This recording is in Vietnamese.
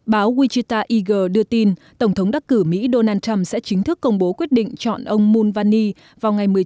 báo wichita eager đưa tin tổng thống đắc cử mỹ donald trump sẽ chính thức công bố quyết định chọn ông mulvaney vào ngày một mươi chín tháng một mươi hai tới